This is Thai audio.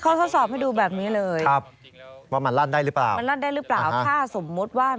โอเคครับเชื่อมั่นได้แน่สมรรถภาพ